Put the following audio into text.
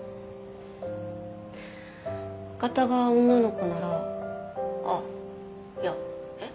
赤田が女の子ならあっいやえっ？